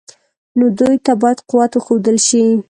نو دوی ته باید قوت وښودل شي.